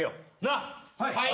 はい。